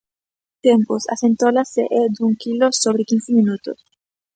Tempos, a centola se é dun quilo sobre quince minutos.